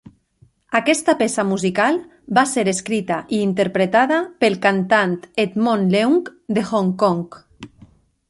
Aquesta peça musical va ser escrita i interpretada pel cantant Edmond Leung de Hong Kong.